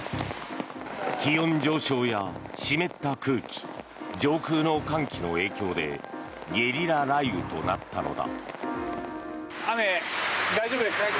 気温上昇や湿った空気上空の寒気の影響でゲリラ雷雨となったのだ。